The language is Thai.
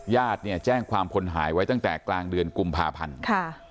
ญาติเนี่ยแจ้งความคนหายไว้ตั้งแต่กลางเดือนกุมภาพันธ์ค่ะ